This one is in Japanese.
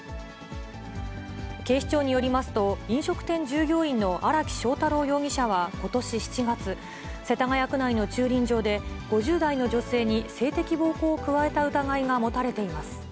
警視庁によりますと、飲食店従業員の荒木章太郎容疑者はことし７月、世田谷区内の駐輪場で５０代の女性に性的暴行を加えた疑いが持たれています。